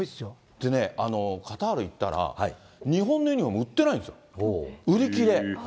でね、カタール行ったら、日本のユニホーム売ってないんですよ、売り切れ。